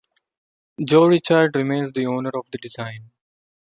Jo Richard remains the owner of the design.